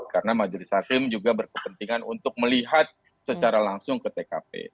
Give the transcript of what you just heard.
karena majelis hakim juga berkepentingan untuk melihat secara langsung ke tkp